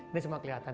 ini semua kelihatan